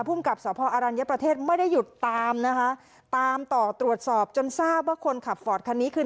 ภูมิกับสพอรัญญประเทศไม่ได้หยุดตามนะคะตามต่อตรวจสอบจนทราบว่าคนขับฟอร์ดคันนี้คือ